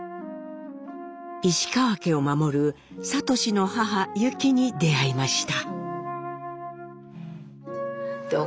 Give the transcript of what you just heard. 石川家を守る智の母ユキに出会いました。